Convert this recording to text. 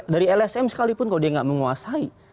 dari lsm sekalipun kalau dia tidak menguasai